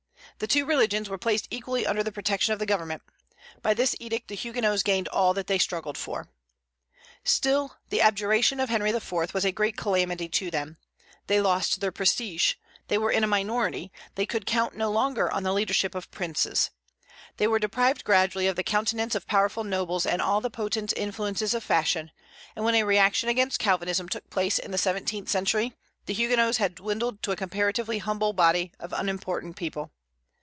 The two religions were placed equally under the protection of the government. By this edict the Huguenots gained all that they had struggled for. Still, the abjuration of Henry IV. was a great calamity to them. They lost their prestige; they were in a minority; they could count no longer on the leadership of princes. They were deprived gradually of the countenance of powerful nobles and all the potent influences of fashion; and when a reaction against Calvinism took place in the seventeenth century, the Huguenots had dwindled to a comparatively humble body of unimportant people.